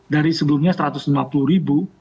dari sebelumnya satu ratus lima puluh ribu